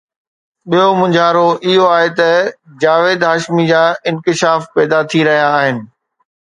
ٻيو مونجهارو اهو آهي ته جاويد هاشمي جا انڪشاف پيدا ٿي رهيا آهن.